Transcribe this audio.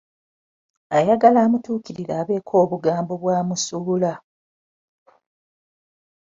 Ayagala amutuukirire abeeko obugambo bwamusuula.